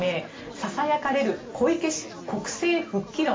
ささやかれれる小池氏、国政復帰論。